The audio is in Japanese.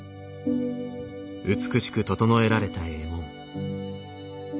美しく整えられた衣紋。